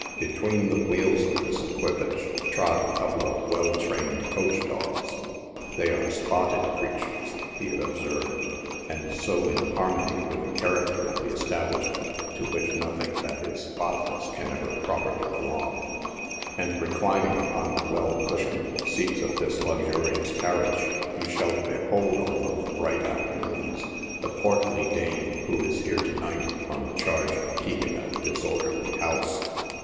Betweon the wheels of this coui pago trot a couple of well trauied coach dogs. They are spotted creature.?, bo it observed, and so in harmony with the character of the establishment, to which nothing that is spotless can ever proper ly belong. And, reclining upon tha well cushioned seats of this luxurious carriage, you shall behold on those bright afternoons the portly dame who is here to night on the charge of keeping a disor derly house.